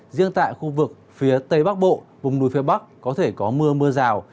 riêng tại khu vực phía tây bắc bộ vùng núi phía bắc có thể có mưa mưa rào